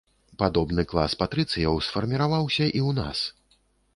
Падобны клас патрыцыяў сфарміраваўся і ў нас.